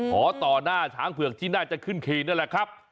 ต่อหน้าช้างเผือกที่น่าจะขึ้นเขตนั่นแหละครับ